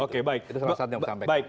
oke baik baik